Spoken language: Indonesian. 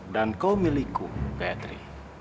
dan kau milikku gayatri